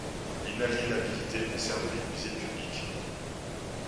L'inaliénabilité concerne les musées publics.